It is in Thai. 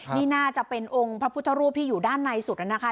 นี่น่าจะเป็นองค์พระพุทธรูปที่อยู่ด้านในสุดนะคะ